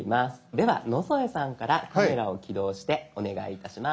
では野添さんからカメラを起動してお願いいたします。